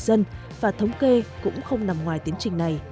những người dân và thống kê cũng không nằm ngoài tiến trình này